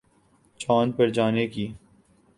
چاند پر جانے کے